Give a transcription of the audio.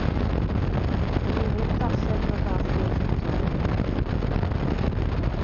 Dw i heb ddarllen am y fath beth eto.